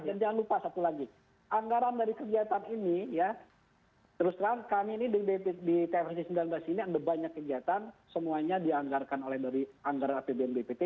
dan jangan lupa satu lagi anggaran dari kegiatan ini ya teruskan kami ini di tv sembilan belas ini ada banyak kegiatan semuanya dianggarkan oleh dari anggaran apbn bppt